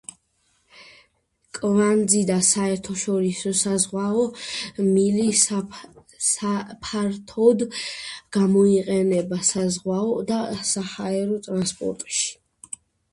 კვანძი და საერთაშორისო საზღვაო მილი ფართოდ გამოიყენება საზღვაო და საჰაერო ტრანსპორტში.